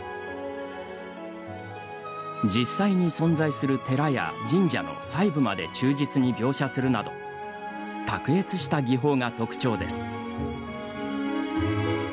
実際に存在する寺や神社の細部まで忠実に描写するなど卓越した技法が特徴です。